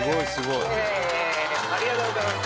ありがとうございます。